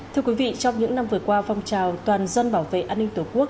thưa quý vị trong những năm vừa qua phong trào toàn dân bảo vệ an ninh tổ quốc